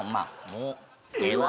もうええわ！